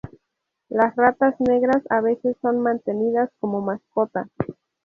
Las ratas negras a veces son mantenidas como mascota.